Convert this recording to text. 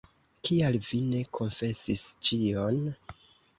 Kial vi ne konfesis ĉion?